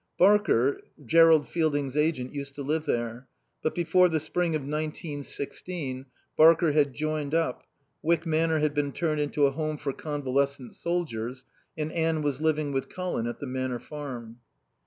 Barker, Jerrold Fielding's agent, used to live there; but before the spring of nineteen sixteen Barker had joined up, Wyck Manor had been turned into a home for convalescent soldiers, and Anne was living with Colin at the Manor Farm.